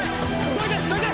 どいてどいて！